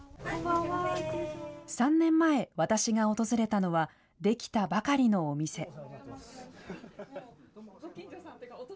３年前、私が訪れたのは、出来たばかりのお店。